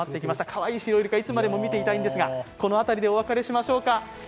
かわいいシロイルカ、いつまでも見ていたいんですが、この辺りでお別れしましょうか。